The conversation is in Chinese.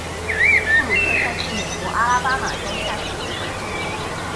布鲁克山是美国阿拉巴马州下属的一座城市。